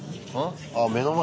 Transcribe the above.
あ目の前